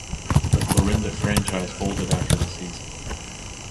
The Clarinda franchise folded after the season.